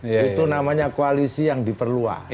itu namanya koalisi yang diperluas